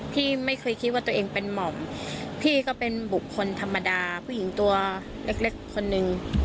พี่ก็เป็นบุคคลธรรมดาผู้หญิงตัวเล็กคนหนึ่ง